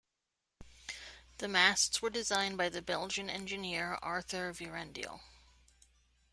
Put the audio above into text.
The masts were designed by the Belgian engineer Arthur Vierendeel.